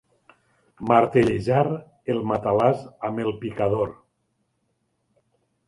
Martellejar el matalàs amb el picador.